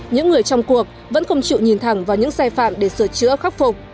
những người trong cuộc vẫn không chịu nhìn thẳng vào những sai phạm để sửa chữa khắc phục